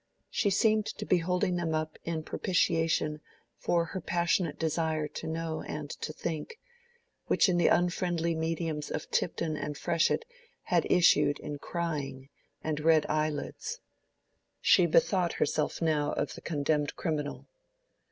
She seemed to be holding them up in propitiation for her passionate desire to know and to think, which in the unfriendly mediums of Tipton and Freshitt had issued in crying and red eyelids. She bethought herself now of the condemned criminal.